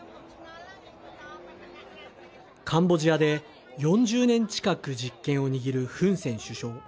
カンボジアで４０年近く実権を握るフン・セン首相。